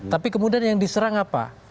tapi kemudian yang diserang apa